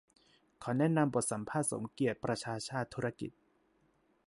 ขอแนะนำบทสัมภาษณ์สมเกียรติ ประชาชาติธุรกิจ